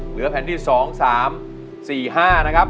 เหลือแผ่นที่๒๓๔๕นะครับ